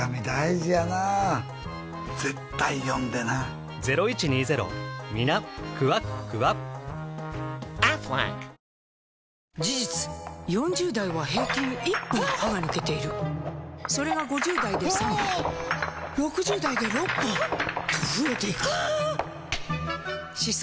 予想最事実４０代は平均１本歯が抜けているそれが５０代で３本６０代で６本と増えていく歯槽